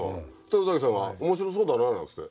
宇崎さんが面白そうだななんて言って。